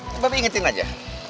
mbak b ingetin aja